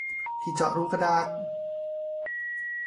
ที่เจาะรูกระดาษ